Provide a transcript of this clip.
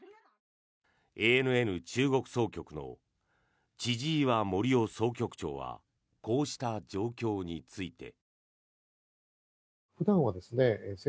ＡＮＮ中国総局の千々岩森生総局長はこうした状況について。